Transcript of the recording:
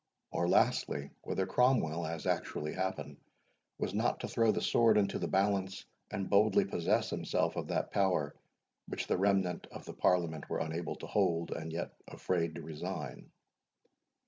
Or lastly, whether Cromwell, as actually happened, was not to throw the sword into the balance, and boldly possess himself of that power which the remnant of the Parliament were unable to hold, and yet afraid to resign?